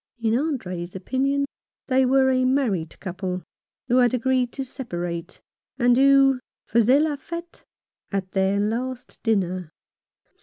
In Andre's opinion they were a married couple, who had agreed to separate, and who faisaient la fete at their last dinner.